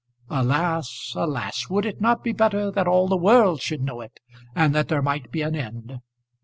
Alas, alas! would it not be better that all the world should know it and that there might be an end?